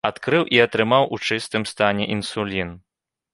Адкрыў і атрымаў у чыстым стане інсулін.